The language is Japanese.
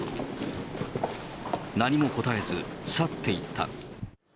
何も答えず、去っていった。